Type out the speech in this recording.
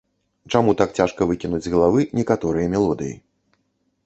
Чаму так цяжка выкінуць з галавы некаторыя мелодыі.